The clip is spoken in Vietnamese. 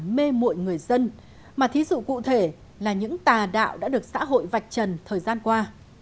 mê mụi người dân mà thí dụ cụ thể là những tà đạo đã được xã hội vạch trần thời gian qua